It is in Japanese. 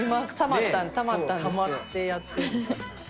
たまってやって。